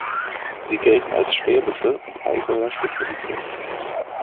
Sie gelten als schwäbische und Allgäuer Spezialität.